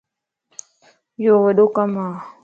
يو وڏو ڪم ا